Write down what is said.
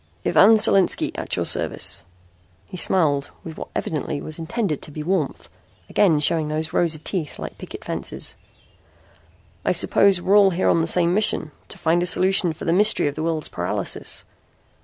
"Ivan Solinski, at your service." He smiled with what evidently was intended to be warmth, again showing those rows of teeth like picket fences. "I suppose we're all here on the same mission: to find a solution for the mystery of the world's paralysis."